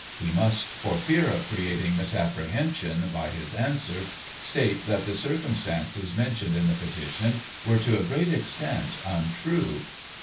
He must, for fear of creat ing misapprehension by his answer, state that the circum stances mentioned in the petition were, to a great extent, untrue.